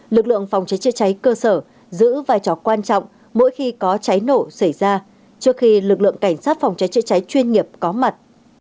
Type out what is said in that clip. lực lượng phòng cháy chữa cháy cơ sở giữ vai trò quan trọng mỗi khi có cháy nổ xảy ra trước khi lực lượng cảnh sát phòng cháy chữa cháy chuyên nghiệp có mặt